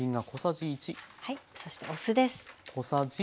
そしてお酢です。